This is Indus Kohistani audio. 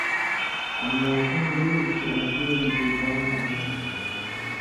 آں موقع ملِلیۡ کھیں اسی ملی بِگ بال بنا تُھو۔